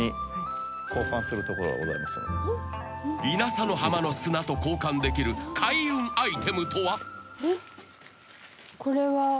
［稲佐の浜の砂と交換できる開運アイテムとは］